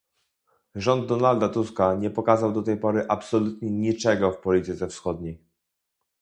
Rząd Donalda Tuska nie pokazał do tej pory absolutnie niczego w polityce wschodniej